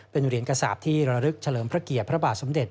เป็นเหรียญกระสาปที่ระลึกเฉลิมพระเกียรติพระบาทสมเด็จ